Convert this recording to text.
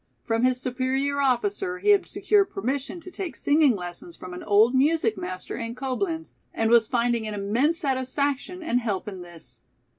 From his superior officer he had secured permission to take singing lessons from an old music master in Coblenz, and was finding an immense satisfaction and help in this.